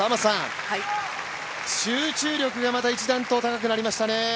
集中力がまた一段と高くなりましたね。